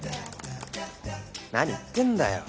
何言ってんだよ。